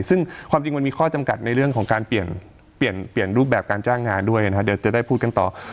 ซึ่งความจริงมันมีข้อจำกัดในเรื่องของการเปลี่ยนเปลี่ยนรูปแบบการจ้างงานด้วยนะครับเดี๋ยวจะได้พูดกันต่อ